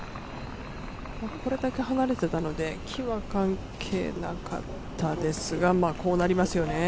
これだけ離れていたので木は関係なかったですがこうなりますよね。